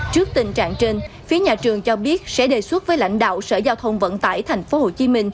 trước tình trạng trên phía nhà trường cho biết sẽ đề xuất với lãnh đạo sở giao thông vận tải tp hcm